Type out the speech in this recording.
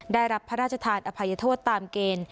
ได้รับพระราชทานอภัยโทษตามเกณฑ์